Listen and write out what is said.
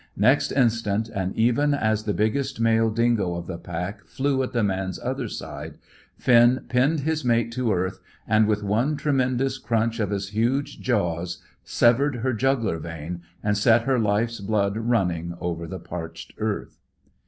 Next instant, and even as the biggest male dingo of the pack flew at the man's other side, Finn pinned his mate to earth, and, with one tremendous crunch of his huge jaws, severed her jugular vein, and set her life's blood running over the parched earth.